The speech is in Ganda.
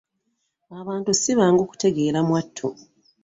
Abantu si bangu kutegeera mwattu.